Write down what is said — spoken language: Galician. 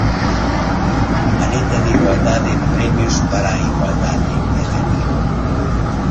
Maleta de igualdade, premios para a igualdade etcétera.